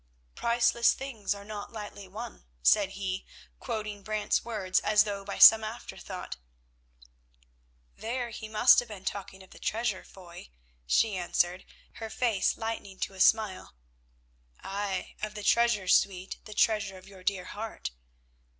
"Priceless things are not lightly won," said he, quoting Brant's words as though by some afterthought. "There he must have been talking of the treasure, Foy," she answered, her face lightening to a smile. "Ay, of the treasure, sweet, the treasure of your dear heart."